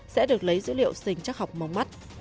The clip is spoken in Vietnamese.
sẽ được lấy dữ liệu sinh chắc học mống mắt